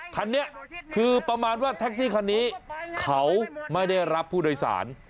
คันนี้คือประมาณว่าแท็กซี่คันนี้เขาไม่ได้รับผู้โดยสาร